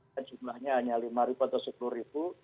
dan jumlahnya hanya rp lima atau rp sepuluh